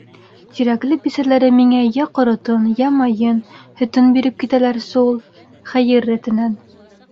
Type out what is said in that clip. Тирәкле бисәләре миңә йә ҡоротон, йә майын, һөтөн биреп китәләрсе ул. Хәйер рәтенән...